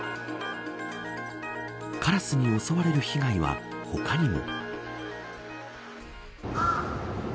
カラスに襲われる被害は他にも。